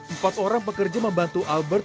empat orang pekerja membantu albert